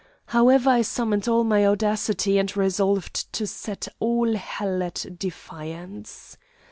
However, I summoned all my audacity, and resolved to set all hell at defiance.